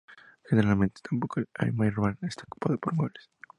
Generalmente, tampoco el mihrab está ocupado por muebles.